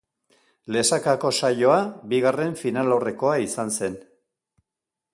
Lesakako saioa bigarren finalaurrekoa izan zen.